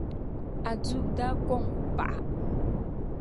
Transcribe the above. Adu daa kɔŋ o paɣa